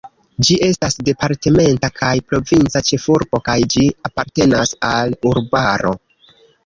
Ĝi estas departementa kaj provinca ĉefurbo kaj ĝi apartenas al urbaro.